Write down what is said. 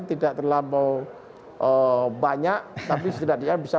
tidak terlampau banyak tapi setidaknya bisa